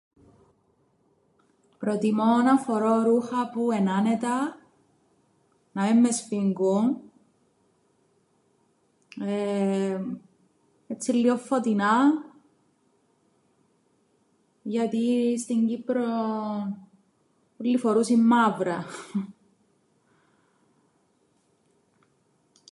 Προτιμώ να φορώ ρούχα που εν' άνετα, να μεν με σφίγγουν, εεε έτσι λλίον φωτεινά, γιατί στην Κύπρον ούλλοι φορούσιν μαύρα.